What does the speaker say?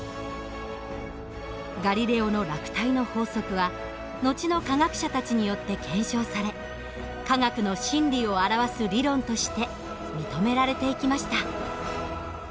ガリレオの落体の法則は後の科学者たちによって検証され科学の真理を表す理論として認められていきました。